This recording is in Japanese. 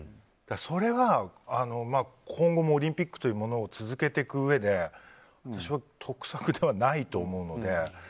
それは、今後もオリンピックというものを続けていくうえで私は得策ではないと思うので。